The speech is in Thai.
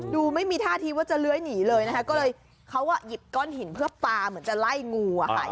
ดูไม่มีท่าทีว่าจะเลื้อยหนีเลยนะคะก็เลยเขาหยิบก้อนหินเพื่อปลาเหมือนจะไล่งูอ่ะค่ะ